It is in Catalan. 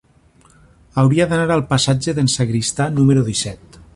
Hauria d'anar al passatge d'en Sagristà número disset.